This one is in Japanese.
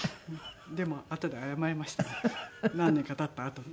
でもあとで謝りました何年か経ったあとに。